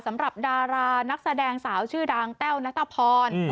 สำหรับดารานักแสดงสาวชื่อดังแต้วนัตรพร